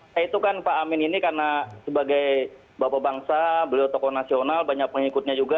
saya itu kan pak amin ini karena sebagai bapak bangsa beliau tokoh nasional banyak pengikutnya juga